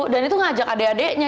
dan itu ngajak adek adeknya